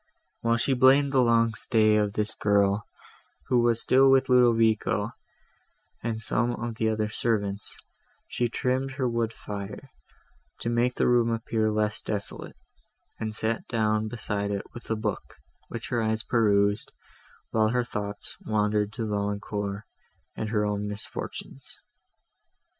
While she blamed the long stay of this girl, who was still with Ludovico and some other of the servants, she trimmed her wood fire, to make the room appear less desolate, and sat down beside it with a book, which her eyes perused, while her thoughts wandered to Valancourt, and her own misfortunes.